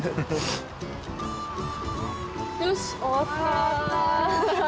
よし終わった。